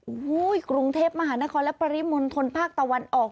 โอ้โหกรุงเทพมหานครและปริมณฑลภาคตะวันออก